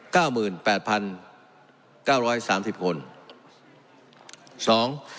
๙๘๙๓๐คน